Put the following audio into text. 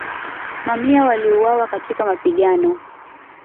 Mamia waliuawa katika mapigano.